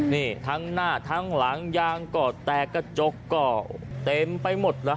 นี่ทั้งหน้าทั้งหลังยางก็แตกกระจกก็เต็มไปหมดละ